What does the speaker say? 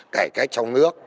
cải cách trong nước